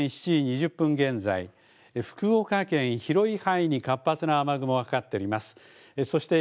午前７時２０分現在、福岡県、広い範囲に活発な雨雲がかかっています。